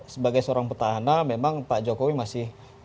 sebagai seorang petahana memang pak jokowi masih banyak mendapatkan